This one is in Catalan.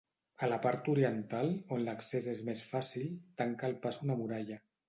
A la part oriental, on l'accés és més fàcil, tanca el pas una muralla.